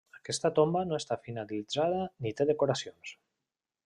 Aquesta tomba no està finalitzada ni té decoracions.